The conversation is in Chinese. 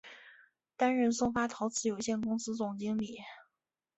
担任松发陶瓷有限公司总经理。